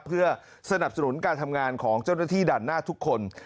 เพื่อสนับสนุนการทำงานของเจ้าหน้าที่ด่านหน้าทุกคน